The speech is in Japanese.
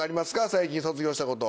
最近卒業したこと。